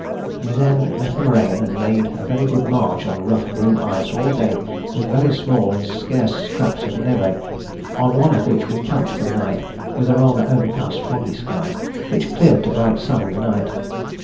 We then left the moraine and made a very good march on rough blue ice all day with very small and scarce scraps of névé, on one of which we camped for the night with a rather overcast foggy sky, which cleared to bright sun in the night.